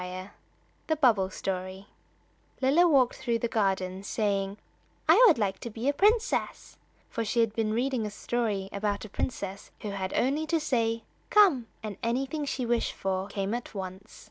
X THE BUBBLE STORY LILLA walked through the garden, saying "I should like to be a princess," for she had been reading a story about a princess who had only to say "Come," and anything she wished for came at once.